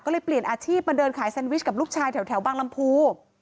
ก็เลยเปลี่ยนอาชีพมาเดินขายแซนวิชกับลูกชายแถวบางลำพู